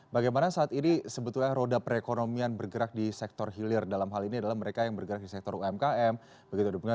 bagaimana saat ini sebetulnya roda perekonomian bergerak di sektor hilir dalam hal ini adalah mereka yang bergerak di sektor umkm begitu